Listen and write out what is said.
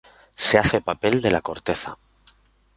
Se hace papel de la corteza.